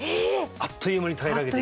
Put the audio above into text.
あっという間に平らげていく？